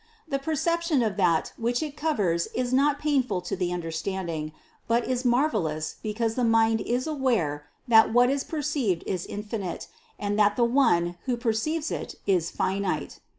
The perception of that which it covers is not THE CONCEPTION 37 painful to the understanding,, but is marvelous, because the mind is aware that what is perceived is infinite, and that the one who perceives is finite.